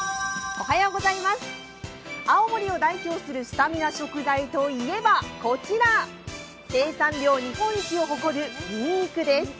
青森を代表するスタミナ食材といえばこちら、生産量日本一を誇るにんにくです。